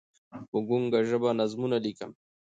په ګونګه ژبه نظمونه لیکم